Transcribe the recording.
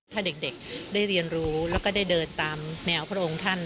ถ้าเด็กได้เรียนรู้แล้วก็ได้เดินตามแนวพระองค์ท่าน